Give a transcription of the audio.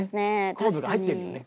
コードが入ってるよね